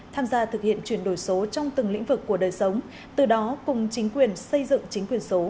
tham gia thực hiện chuyển đổi số trong từng lĩnh vực của đời sống từ đó cùng chính quyền xây dựng chính quyền số